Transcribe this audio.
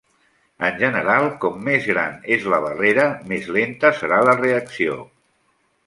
En general, com més gran és la barrera, més lenta serà la reacció.